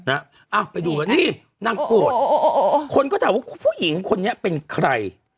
เอ้าไปดูกันนี่นางโกรธคนก็ถามว่าผู้หญิงคนนี้เป็นใคร